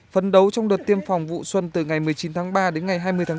phấn đấu trong đợt tiêm phòng vụ xuân từ ngày một mươi chín tháng ba đến ngày hai mươi tháng bốn